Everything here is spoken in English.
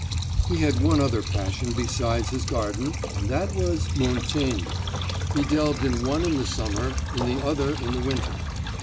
He had one other passion besides his garden, and that was Montaigne. He delved in one in the summer, in the other in the winter.